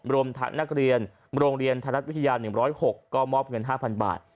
รวมทั้งนักเรียนโรงเรียนไทยรัฐวิทยา๑๐๖ก็มอบเงิน๕๐๐บาท